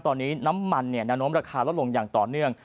ตอนนี้น้ำมันแนวโน้มราคาลดลงอย่างต่อเนื่อง